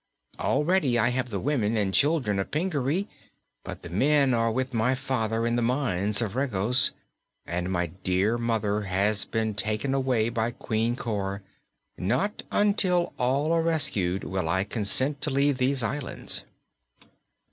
Already I have the women and children of Pingaree, but the men are with my father in the mines of Regos, and my dear mother has been taken away by Queen Cor. Not until all are rescued will I consent to leave these islands."